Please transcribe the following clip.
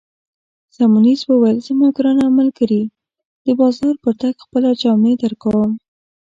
سیمونز وویل: زما ګرانه ملګرې، د بازار پر تګ خپله جامې درکوم.